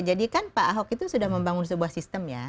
jadi kan pak ahok itu sudah membangun sebuah sistem ya